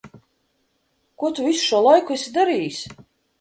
Ko tu visu šo laiku esi darījis?